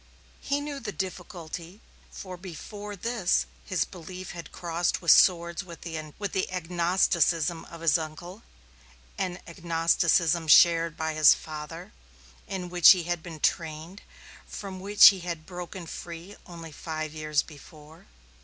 He knew the difficulty, for before this his belief had crossed swords with the agnosticism of his uncle, an agnosticism shared by his father, in which he had been trained, from which he had broken free only five years before.